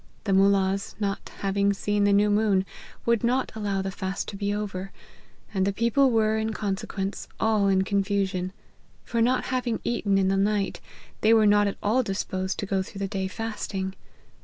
The Moollahs not having seen the new moon, would not allow the fast to be over, and the people were, in consequence, all in confusion ; for not having eaten in the night, they were not at all disposed to go through the day fasting.